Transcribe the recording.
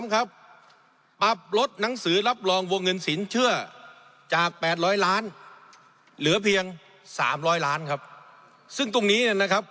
ครับปรับลดหนังสือรับรองวงเงินสินเชื่อจาก๘๐๐ล้านเหลือเพียง๓๐๐ล้านครับซึ่งตรงนี้เนี่ยนะครับ